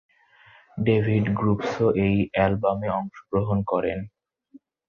David গ্রুবসও এই অ্যালবামে অংশগ্রহণ করেন।